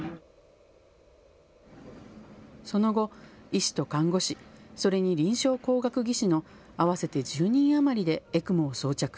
その後、医師と看護師、それに臨床工学技師の合わせて１０人余りでＥＣＭＯを装着。